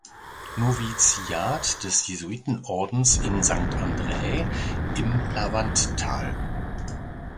Noviziat des Jesuitenordens in Sankt Andrä im Lavanttal.